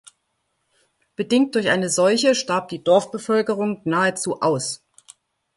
Bedingt durch eine Seuche starb die Dorfbevölkerung nahezu aus.